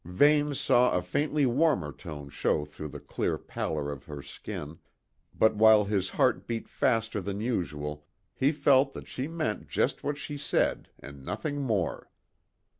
Vane saw a faintly warmer tone show through the clear pallor of her skin; but while his heart beat faster than usual he felt that she meant just what she said and nothing more.